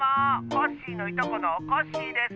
コッシーのいとこのおこっしぃです。